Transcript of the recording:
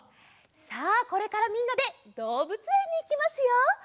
さあこれからみんなでどうぶつえんにいきますよ。